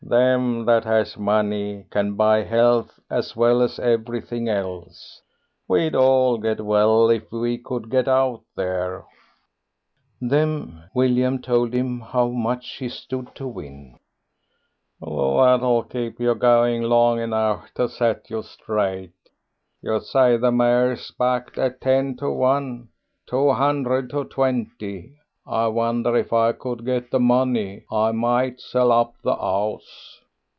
"Them that has money can buy health as well as everything else. We'd all get well if we could get out there." William told him how much he stood to win. "That'll keep you going long enough to set you straight. You say the mare's backed at ten to one two hundred to twenty. I wonder if I could get the money. I might sell up the 'ouse."